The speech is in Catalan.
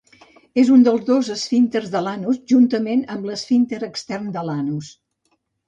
És un dels dos esfínters de l'anus, juntament amb l'esfínter extern de l'anus.